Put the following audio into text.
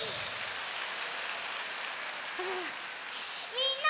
みんな！